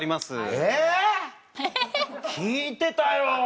えぇ⁉聞いてたよ。